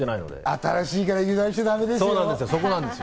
新しいからって油断しちゃだめですよ。